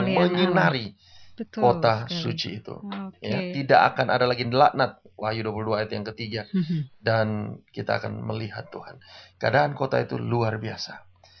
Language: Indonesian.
mulai ayat yang ke delapan belas boleh ayura